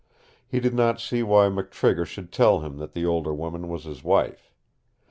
He did not see why McTrigger should tell him that the older woman was his wife.